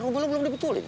rumah lu belum dibutulin